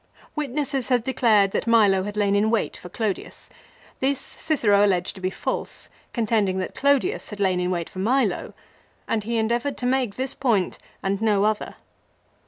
Witnesses had declared that Milo had lain in wait for Clodius. This Cicero alleged to be false, contending that Clodius had lain in wait for Milo, and he endeavoured to make this point and no other.